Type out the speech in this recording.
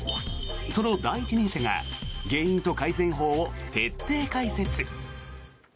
その第一人者が原因と改善法を徹底解説。